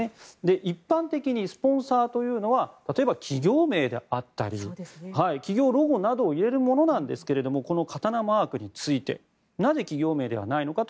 一般的にスポンサーというのは例えば、企業名であったり企業ロゴなどを入れるものなんですけどもこの「刀」マークについてなぜ、企業名ではないのかと。